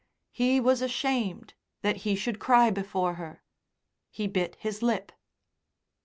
He was ashamed that he should cry before her. He bit his lip.